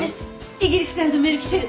イギリスからのメール来てる。